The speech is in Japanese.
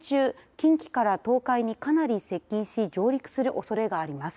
近畿から東海にかなり接近し上陸するおそれがあります。